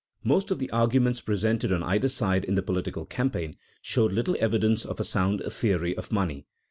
Most of the arguments presented on either side in the political campaigns showed little evidence of a sound theory of money.